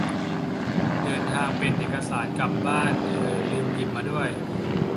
เดินทางไปเอาเอกสาร กลับบ้าน อ่อ ลืมหยิบมาด้วย